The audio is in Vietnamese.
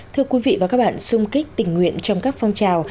thưa quý vị và các bạn sung kích tình nguyện trong các phong trào